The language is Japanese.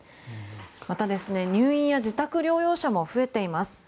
また、入院や自宅療養者も増えています。